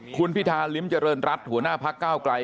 คุณพิธาริมเจริญรัฐหัวหน้าพักเก้าไกล